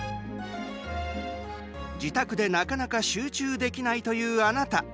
自宅でなかなか集中できないというあなた。